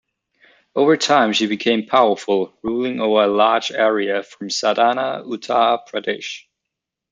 Over time, she became powerful, ruling over a large area from Sardhana, Uttar Pradesh.